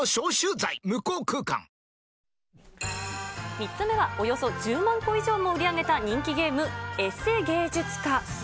３つ目はおよそ１０万個以上も売り上げた人気ゲーム、エセ芸術家。